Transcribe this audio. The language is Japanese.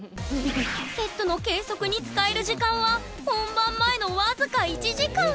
セットの計測に使える時間は本番前の僅か１時間。